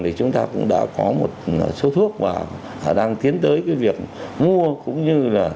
thì chúng ta cũng đã có một số thuốc và đang tiến tới cái việc mua cũng như là